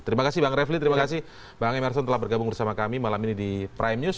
terima kasih bang refli terima kasih bang emerson telah bergabung bersama kami malam ini di prime news